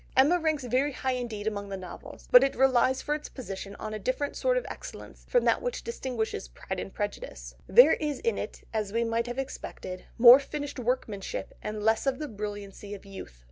Emma ranks very high indeed among the novels, but it relies for its position on a different sort of excellence from that which distinguishes Pride and Prejudice; there is in it, as we might have expected, more finished workmanship and less of the brilliancy of youth.